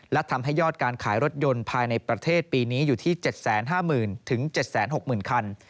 และทำให้ยอดการขายรถยนต์ภายในประเทศปีนี้อยู่ที่๗๕๐๐๐๗๖๐๐๐คัน